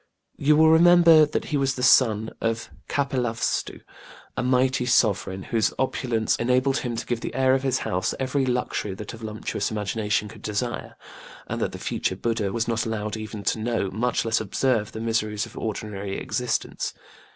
You will remember that he was the son of the king of KapilavastĖĢu a mighty sovereign whose opulence enabled him to give the heir of his house every luxury that a voluptuous imagination could desire: and that the future BudĖĢdĖĢha was not allowed even to know, much less observe, the miseries of ordinary existence.